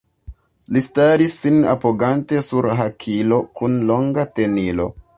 Li staris, sin apogante sur hakilo kun longa tenilo.